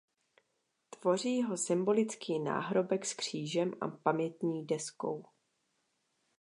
Tvoří ho symbolický náhrobek s křížem a pamětní deskou.